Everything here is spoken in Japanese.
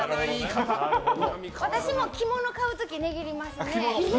私も着物買う時に値切りますね。